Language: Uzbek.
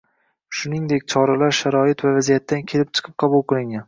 Shuningdek choralari sharoit va vaziyatdan kelib chiqib qabul qilingan.